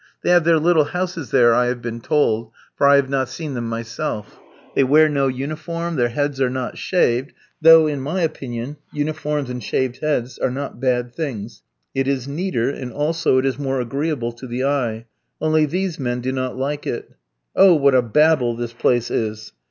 They have their little houses there I have been told, for I have not seen for myself. They wear no uniform, their heads are not shaved, though, in my opinion, uniforms and shaved heads are not bad things; it is neater, and also it is more agreeable to the eye, only these men do not like it. Oh, what a Babel this place is!